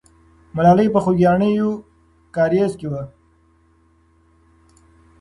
ملالۍ په خوګیاڼیو کارېز کې وه.